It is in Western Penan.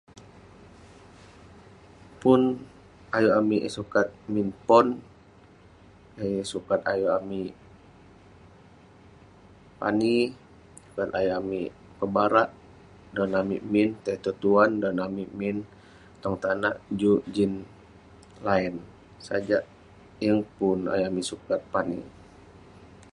Pun ayuk amik sukat min pon ayuk sukat ayuk amik pani sukat ayuk amik pebarak dan amik min tai tong tuan dan amik min tong tanak juk jin line sajak yeng pun ayuk amik sukat pani